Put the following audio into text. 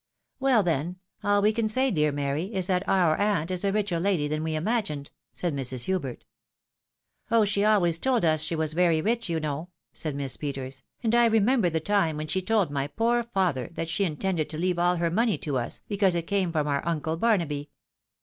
" Well, then ! all we can say, dear Mary, is that our aunt is a richer lady than we imagined," said Mrs. Hubert. " Oh ! she always told us she was very rich, you know," said Miss Peters, " and I remember the time when she told my poor father that she intended to leave all her money to us, because it came from our uncle Barnaby."